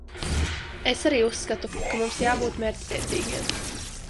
Es arī uzskatu, ka mums jābūt mērķtiecīgiem.